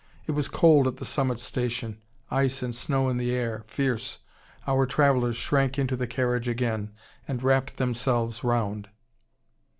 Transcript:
It was cold at the summit station, ice and snow in the air, fierce. Our travellers shrank into the carriage again, and wrapped themselves round.